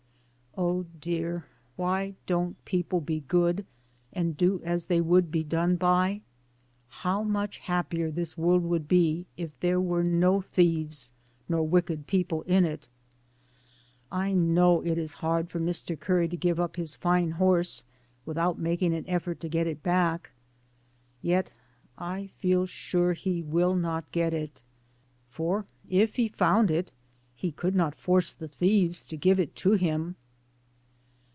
Oh, dear, why don't people be good, and do as they would be done by? How much happier this world would be if there were no thieves nor wicked people in it. I know it is hard for Mr. Curry to give up his fine horse without making an effort to get it back. Yet I feel sure he will not get it. For if he found it he could not force the thieves to give it to him.